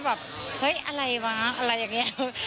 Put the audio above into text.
แบบเฮ้ยอะไรวะอะไรอย่างนี้